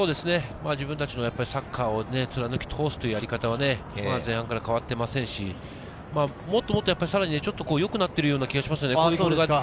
自分たちのサッカーを貫き通すというやり方は前半から変わっていませんし、もっともっとさらに良くなっているような気がしますよね。